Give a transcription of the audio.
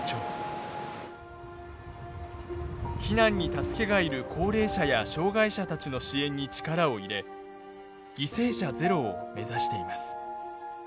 避難に助けが要る高齢者や障害者たちの支援に力を入れ犠牲者ゼロを目指しています。